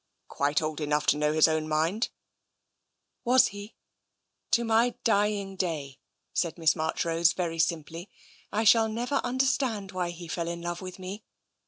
'*" Quite old enough to know his own mind. "Was he? To my dying day,'* said Miss March rose very simply, " I shall never understand why he fell in love with me.